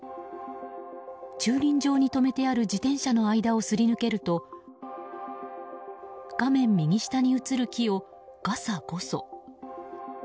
駐輪場に止めてある自転車の間をすり抜けると画面右下に映る木を、ガサゴソ。